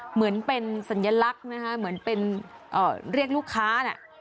เหมือนเป็นสัญลักษณ์นะคะเหมือนเป็นเรียกลูกค้าน่ะ